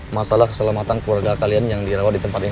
masalah keselamatan keluarga kalian yang dirawat di tempat ini